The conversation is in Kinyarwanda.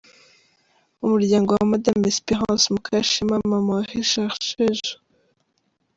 Umuryango wa Madame Espérance Mukashema, Mama wa Richard Sheja